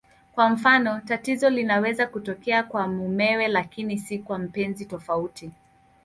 Kwa mfano, tatizo linaweza kutokea kwa mumewe lakini si kwa mpenzi tofauti.